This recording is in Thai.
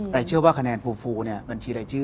แต่เชื่อว่าคะแนนฟูบัญชีรายชื่อ